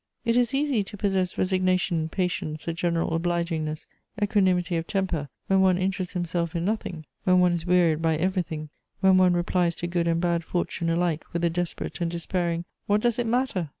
It is easy to possess resignation, patience, a general obligingness, equanimity of temper, when one interests himself in nothing, when one is wearied by everything, when one replies to good and bad fortune alike with a desperate and despairing "What does it matter?"